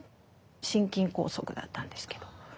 心筋梗塞だったんですけど。